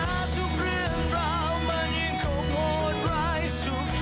แม้ทุกเรื่องราวมันยังเข้าโมดรายสุข